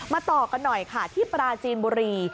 ต่อกันหน่อยค่ะที่ปราจีนบุรี